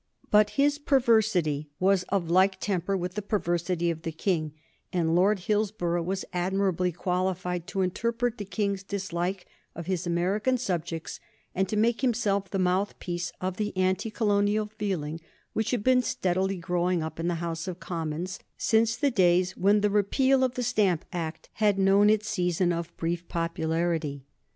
But his perversity was of like temper with the perversity of the King, and Lord Hillsborough was admirably qualified to interpret the King's dislike of his American subjects and to make himself the mouthpiece of the anti Colonial feeling which had been steadily growing up in the House of Commons since the days when the repeal of the Stamp Act had known its season of brief popularity.